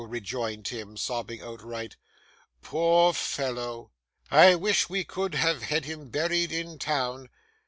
rejoined Tim, sobbing outright. 'Poor fellow! I wish we could have had him buried in town.